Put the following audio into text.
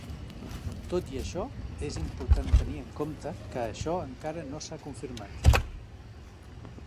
Tot i això, és important tenir en compte que això encara no s'ha confirmat.